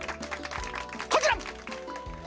こちら！